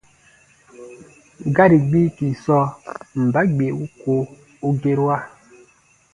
Gari gbiiki sɔɔ: mba gbee wuko u gerua?